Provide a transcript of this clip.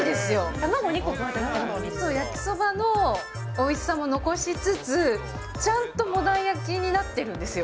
卵２個加えて、焼きそばのおいしさも残しつつ、ちゃんとモダン焼きになってるんですよ。